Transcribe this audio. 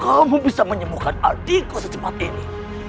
kamu bisa menyembuhkan artiku secepat ini